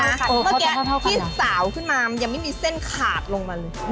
เมื่อกี้ที่สาวขึ้นมามันยังไม่มีเส้นขาดลงมาเลย